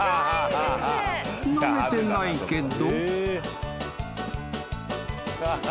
［飲めてないけど］